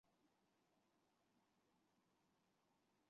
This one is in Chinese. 主要城镇为布里尼奥勒。